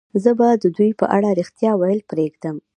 زه به د دوی په اړه رښتیا ویل پرېږدم